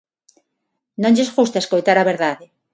Non lles gusta escoitar a verdade.